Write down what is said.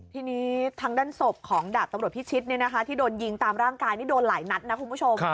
ทีนี้ทางด้านศพของดาบตำรวจพิชิตที่โดนยิงตามร่างกายนี่โดนหลายนัดนะคุณผู้ชม